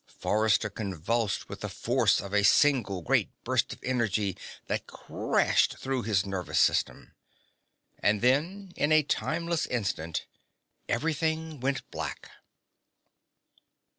Forrester convulsed with the force of a single great burst of energy that crashed through his nervous system. And then, in a timeless instant, everything went black.